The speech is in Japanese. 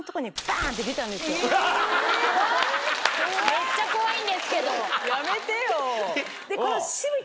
めっちゃ怖いんですけど。